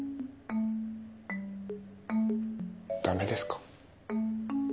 ダメですか？